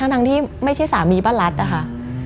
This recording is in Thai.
ทั้งที่ไม่ใช่สามีป้ารัสนะคะ